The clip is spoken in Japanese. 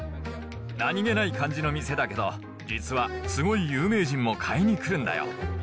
なにげない感じの店だけど、実はすごい有名人も買いに来るんだよ。